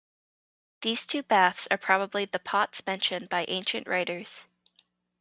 These two baths are probably the Pots mentioned by ancient writers.